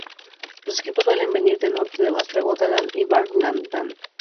Los equipos suelen venir del norte de Västra Götaland y Värmland.